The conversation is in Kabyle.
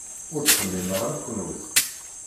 Ur ttxemmimeɣ am kunwi.